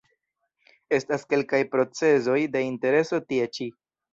Estas kelkaj procezoj de intereso tie ĉi.